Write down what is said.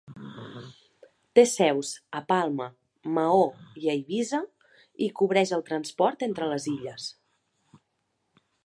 Té seus a Palma, Maó i Eivissa i cobreix el transport entre les illes.